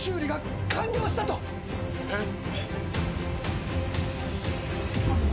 えっ？